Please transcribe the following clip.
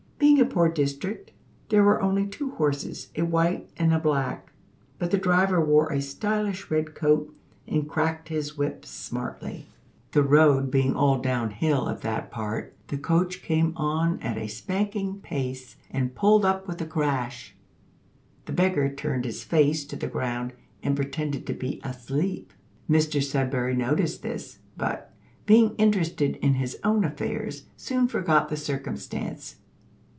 Being a poor district, there were only two horses, a white and a black; but the driver wore a stylish red coat, and cracked his whip smartly. The road being all down hill at that part, the coach came on at a spanking pace, and pulled up with a crash. The beggar turned his face to the ground, and pretended to be asleep. Mr Sudberry noticed this; but, being interested in his own affairs, soon forgot the circumstance.